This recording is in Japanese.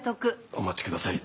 お待ちください。